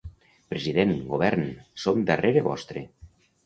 President, govern: som darrere vostre